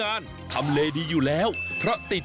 วันนี้พาลงใต้สุดไปดูวิธีของชาวเล่น